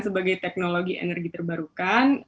sebagai teknologi energi terbarukan